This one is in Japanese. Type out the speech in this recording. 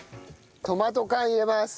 トマト缶入れます。